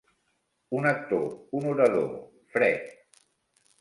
Un actor, un orador, fred.